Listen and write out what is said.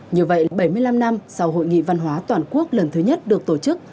như vậy bảy mươi năm năm sau hội nghị văn hóa toàn quốc lần thứ nhất được tổ chức